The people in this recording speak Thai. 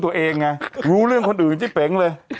สวัสดีครับคุณผู้ชม